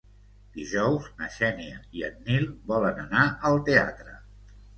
Dijous na Xènia i en Nil volen anar al teatre.